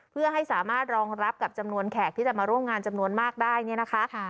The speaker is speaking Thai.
เพื่อให้สามารถรองรับกับจำนวนแขกที่จะมาร่วมงานจำนวนมากได้เนี่ยนะคะ